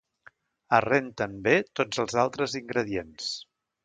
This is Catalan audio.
Es renten bé tots els altres ingredients.